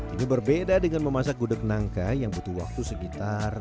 ini berbeda dengan memasak gudeg nangka yang butuh waktu sekitar